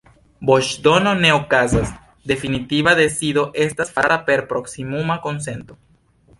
Voĉdono ne okazas, definitiva decido estas farata per proksimuma konsento.